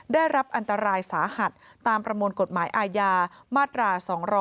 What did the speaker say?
ได้รับอันตรายสาหัสตามประมวลกฎหมายอาญามาตรา๒๗